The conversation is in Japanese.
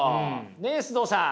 ねっ須藤さん？